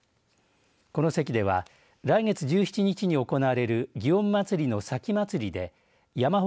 この席では来月１７日に行われる祇園祭の前祭で山ほ